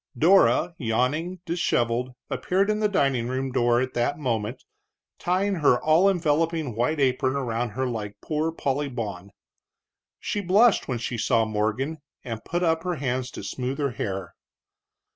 Dora, yawning, disheveled, appeared in the dining room door at that moment, tying her all enveloping white apron around her like Poor Polly Bawn. She blushed when she saw Morgan, and put up her hands to smooth her hair.